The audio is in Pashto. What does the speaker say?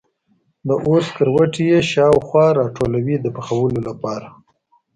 د اور سکروټي یې خوا و شا ته راټولوي د پخولو لپاره.